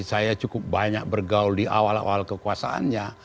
saya cukup banyak bergaul di awal awal kekuasaannya